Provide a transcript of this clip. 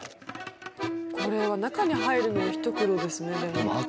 これは中に入るのも一苦労ですね。